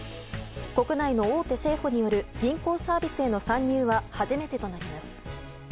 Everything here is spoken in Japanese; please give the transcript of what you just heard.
国内の大手生保による銀行サービスへの参入は初めてとなります。